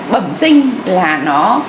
bẩm sinh là nó